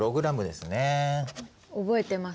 覚えてます